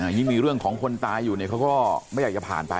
ยิ่งมีเรื่องของคนตายอยู่เนี่ยเขาก็ไม่อยากจะผ่านไป